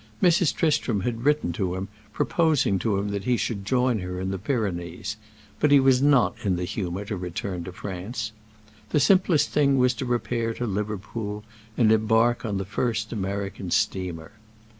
Mrs. Tristram had written to him, proposing to him that he should join her in the Pyrenees; but he was not in the humor to return to France. The simplest thing was to repair to Liverpool and embark on the first American steamer.